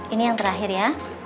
ini yang terakhir ya